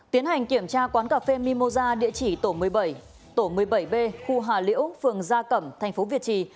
tiến hành kiểm tra quán cà phê mimosa địa chỉ tổ một mươi bảy b khu hà liễu phường gia cẩm thành phố việt trì